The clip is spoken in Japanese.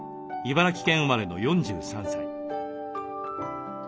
茨城県生まれの４３歳。